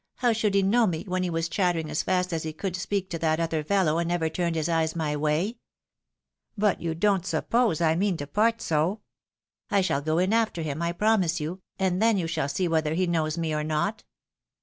How should he know me, when he was chattering as fast as he could speak to that other fellow, and never turned his eyes my way ? But you don't suppose I mean to part so ? I shall go in after him, I promise you — and then you shall see whether he knows me or not."